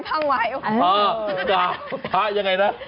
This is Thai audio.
พระยังไงนะ